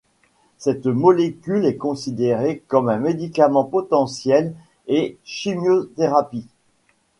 Cette molécule est considérée comme un médicament potentiel en chimiothérapie.